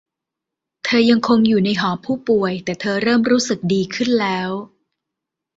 เธอยังคงอยู่ในหอผู้ป่วยแต่เธอเริ่มรู้สึกดีขึ้นแล้ว